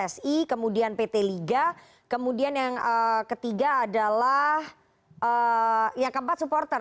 yang pertama adalah pssi kemudian pt liga kemudian yang ketiga adalah yang keempat supporter